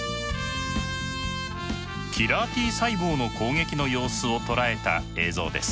キラーＴ細胞の攻撃の様子を捉えた映像です。